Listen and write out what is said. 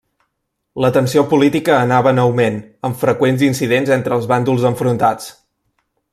La tensió política anava en augment amb freqüents incidents entre els bàndols enfrontats.